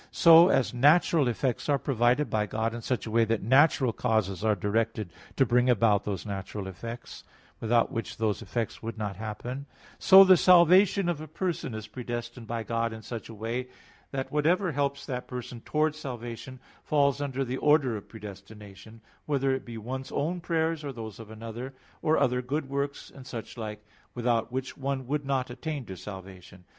So, as natural effects are provided by God in such a way that natural causes are directed to bring about those natural effects, without which those effects would not happen; so the salvation of a person is predestined by God in such a way, that whatever helps that person towards salvation falls under the order of predestination; whether it be one's own prayers or those of another; or other good works, and such like, without which one would not attain to salvation.